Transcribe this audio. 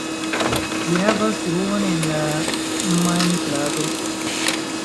Li havas truon en la manplato.